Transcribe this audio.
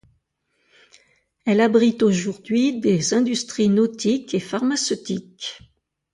Elle abrite aujourd'hui des industries nautiques et pharmaceutiques.